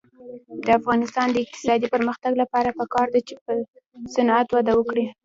د افغانستان د اقتصادي پرمختګ لپاره پکار ده چې صنعت وده وکړي.